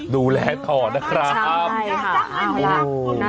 ดูแลก่อนนะครับ